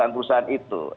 baik tuanku bye